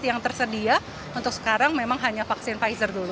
yang tersedia untuk sekarang memang hanya vaksin pfizer dulu